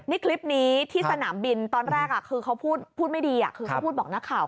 นี่คลิปนี้ที่สนามบินตอนแรกคือเขาพูดไม่ดีคือเขาพูดบอกนักข่าว